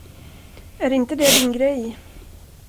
Är inte det din grej?